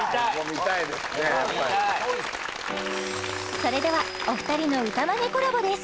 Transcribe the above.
見たいそれではお二人の歌まねコラボです